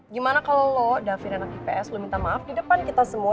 gimana kalau lo david anak ips lo minta maaf di depan kita semua